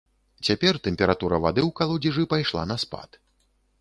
Цяпер тэмпература вады ў калодзежы пайшла на спад.